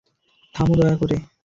থামো দয়া করে।